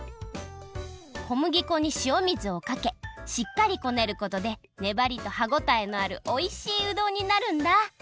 小麦粉にしお水をかけしっかりこねることでねばりと歯ごたえのあるおいしいうどんになるんだ。